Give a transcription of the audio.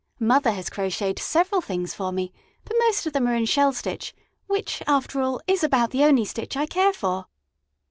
Mother has crocheted several things for me, but most of them are in shell stitch, which, after all, is about the only stitch I care for.